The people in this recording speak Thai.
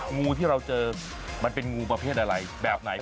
งูที่เราเจอมันเป็นงูประเภทอะไรแบบไหน